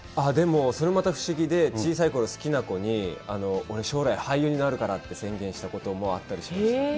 それまた不思議で、小さいころ、好きな子に、俺、将来、俳優になるからって宣言したこともあったりしました。